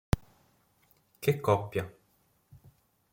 Che coppia.